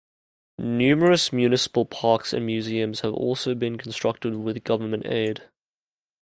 Numerous municipal parks and museums have also been constructed with government aid.